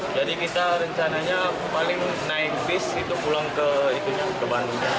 jadi kita rencananya paling naik bis itu pulang ke bandung